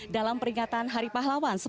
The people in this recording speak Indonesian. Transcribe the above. dalam peringatan hari pahlawan